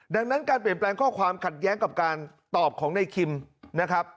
ดังนั้นการเปลี่ยนแปลงข้อความขัดแย้งกับการตอบของในคิมนะครับ